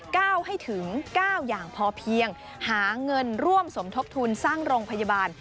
ก้าวให้ถึงเก้าอย่างพอเพียงหาเงินร่วมสมทบทุนสร้างโรงพยาบาล